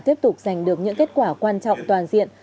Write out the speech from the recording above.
tiếp tục giành được những kết quả quan trọng toàn diện